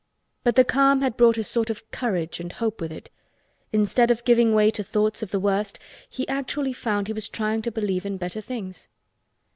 But the calm had brought a sort of courage and hope with it. Instead of giving way to thoughts of the worst he actually found he was trying to believe in better things.